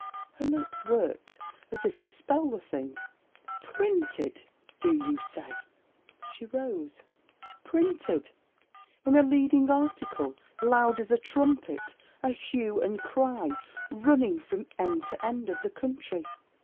Her lips worked, as if to spell the thing. 'Printed, do you say?' she rose. 'Printed. In a leading article, loud as a trumpet; a hue and cry running from end to end of the country.